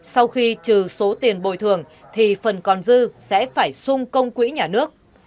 sau khi trừ số tiền bồi thường thì phần còn dư sẽ phải sung công quỹ nhà nước